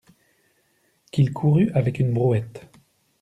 Qu'il courût avec une brouette!